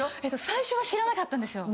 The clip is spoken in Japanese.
最初は知らなかったんですよ。